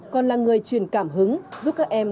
còn là người truyền cảm hứng giúp các em